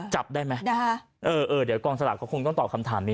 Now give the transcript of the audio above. จับได้ไหมเออเดี๋ยวกองสลากเขาคงต้องตอบคำถามนี้